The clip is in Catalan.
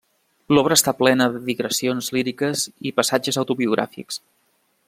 L'obra està plena de digressions líriques i passatges autobiogràfics.